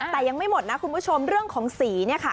แต่ยังไม่หมดนะคุณผู้ชมเรื่องของสีเนี่ยค่ะ